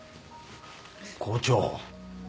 校長。